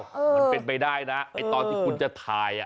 มันเป็นไปได้นะไอ้ตอนที่คุณจะถ่าย